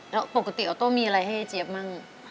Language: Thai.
แล้วปกติออโต้มีอะไรให้เจี๊ยบมั่ง